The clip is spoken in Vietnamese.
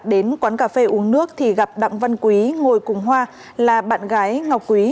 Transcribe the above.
đến quán cà phê uống nước thì gặp đặng văn quý ngồi cùng hoa là bạn gái ngọc quý